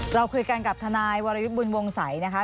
เราคุยกันกับทนายวรยุทธ์บุญวงศัยนะคะ